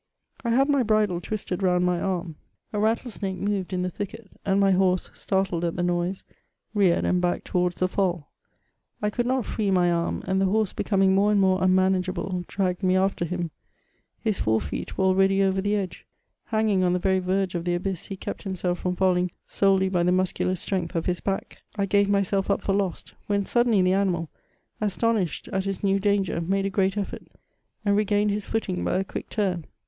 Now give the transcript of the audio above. * I had my bridle twisted round my arm ; a rattlesnake moved in the thicket ; and my horse, startled at the noise, reared and backed towards the Fall ; I could not free my arm, and the horse becoming more and more unmanageable, dragged me after him ; his fore feet were already over the edge ; hanging on the very verge of the abyss, he kept himself from falling solely by the muscular strength of his back ; I gave myself up for lost ; when suddenly the animal, astonished at his new danger, made a gr&at effort and regained his footing by a quick turn.